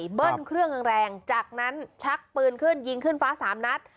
เบิ้ลเครื่องแรงจากนั้นชักปืนขึ้นยิงขึ้นฟ้าสามนัด